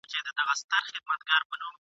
چي شېبې مي د رندانو ویښولې !.